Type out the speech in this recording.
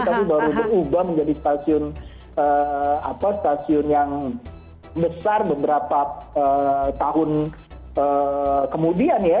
tapi baru berubah menjadi stasiun yang besar beberapa tahun kemudian ya